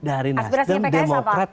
aspirasinya pks apa